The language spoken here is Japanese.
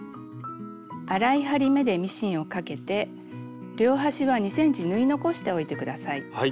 粗い針目でミシンをかけて両端は２ｃｍ縫い残しておいて下さい。